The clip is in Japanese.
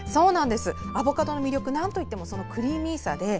アボカドの魅力はなんといってもそのクリーミーさです。